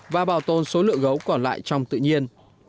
và bảo tồn số lượng gấu còn lại trong tự nhiên